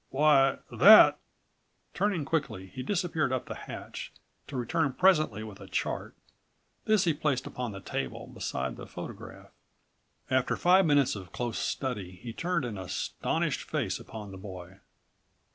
Why that—" Turning quickly, he disappeared up the hatch, to return presently with a chart. This he placed upon the table, beside the photograph. After five minutes of close study he turned an astonished face upon the boy.